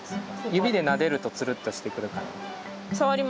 指でなでるとつるっとしてくる感じ。